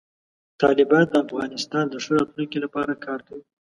طالبان د افغانستان د ښه راتلونکي لپاره کار کوي.